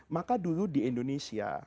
maka dulu di indonesia